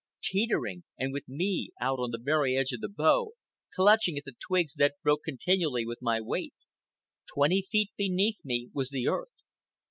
Teetering!—and with me out on the very edge of the bough, clutching at the twigs that broke continually with my weight. Twenty feet beneath me was the earth.